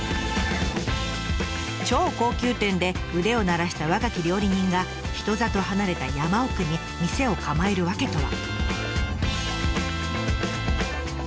超高級店で腕を鳴らした若き料理人が人里離れた山奥に店を構える訳とは。